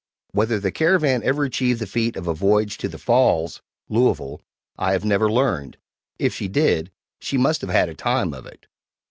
Whether the Caravan ever achieved the feat of a voyage to the Falls (Louisville) I have never learned; if she did, she must have "had a time of it!"